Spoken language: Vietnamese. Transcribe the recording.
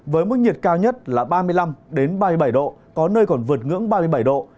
với mức nhiệt cao nhất là ba mươi năm ba mươi bảy độ có nơi còn vượt ngưỡng ba mươi bảy độ